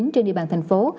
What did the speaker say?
trên địa bàn thành phố